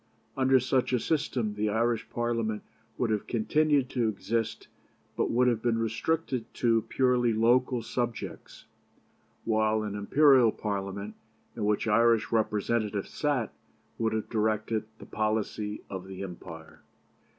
Under such a system the Irish Parliament would have continued to exist, but would have been restricted to purely local subjects, while an Imperial Parliament, in which Irish representatives sat, would have directed the policy of the empire."